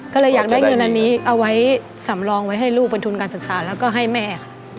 ก็เลยอยากได้เงินอันนี้เอาไว้สำรองไว้ให้ลูกเป็นทุนการศึกษาแล้วก็ให้แม่ค่ะ